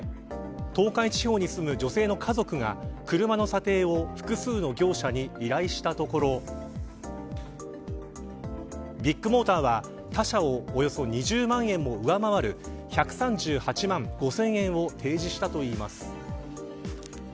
東海地方に住む女性の家族が車の査定を、複数の業者に依頼したところビッグモーターは、他社をおよそ２０万円も上回る１３８万５０００円を提示したといいます。